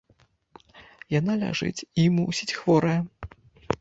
Яна ляжыць і, мусіць, хворая.